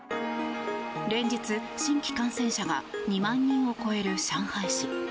連日、新規感染者が２万人を超える上海市。